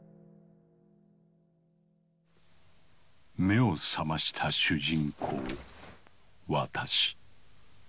目を覚ました主人公「私」。